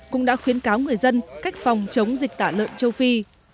cũng đã khuyến cáo người dân cách phòng chống dịch tả lợn châu phi